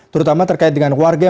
terutama terkait dengan warga